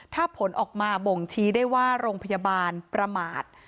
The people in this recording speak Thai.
ถ้าผลออกมาบ่งชี้ได้ว่าโรงพยาบาลประมาท